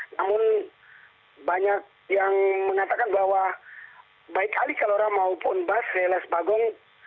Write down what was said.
namun banyak yang mengatakan bahwa baik ali kalora maupun basri alias bagom